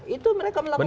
itu mereka melakukan